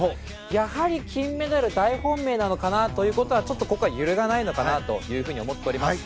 やはり金メダル大本命なのかなということはちょっとここは揺るがないのかなというふうに思っております。